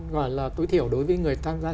gọi là tối thiểu đối với người tham gia